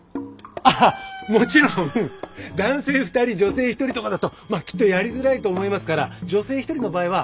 ああもちろん男性２人女性１人とかだときっとやりづらいと思いますから女性１人の場合は私。